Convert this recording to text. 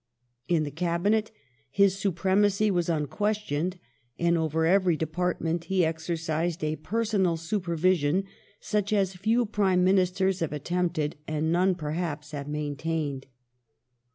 In the Cabinet his supremacy was unquestioned, and over every department he exercised a personal supervision such as few Prime Minister have attempted, and none perhaps has maintained.